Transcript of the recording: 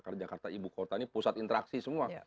karena jakarta ibu kota ini pusat interaksi semua